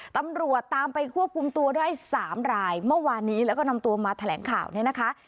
ตำรวจตามไปควบคุมตัวได้สามรายเมื่อวานนี้แล้วก็นำตัวมาแถลงข่าวเนี่ยนะคะ